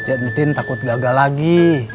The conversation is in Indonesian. cet betin takut gagal lagi